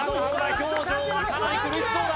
表情はかなり苦しそうだ